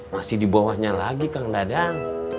masih di bawahnya lagi kang dadang